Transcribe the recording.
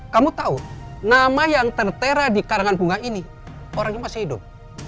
kamu tahu nama yang tertera di karangan bunga ini orangnya masih hidup